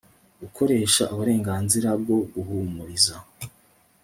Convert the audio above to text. Gukoresha uburenganzira bwo guhumuriza